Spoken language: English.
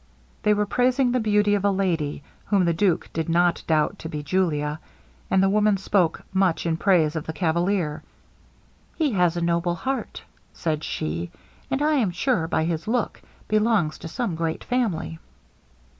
They were praising the beauty of a lady, whom the duke did not doubt to be Julia, and the woman spoke much in praise of the cavalier. 'He has a noble heart,' said she; 'and I am sure, by his look, belongs to some great family.'